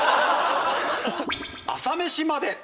『朝メシまで。』。